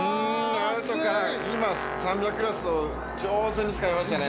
アウトから今３００クラスを上手に使いましたね。